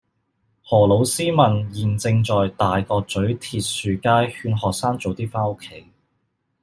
何老師問現正在大角咀鐵樹街勸學生早啲返屋企